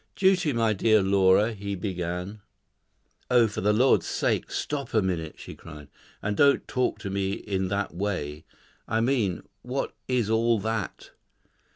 "Duty, my dear Laura," he began. "Oh, for the Lord's sake, stop a minute," she cried, "and don't talk to me in that way. I mean, what is all that?"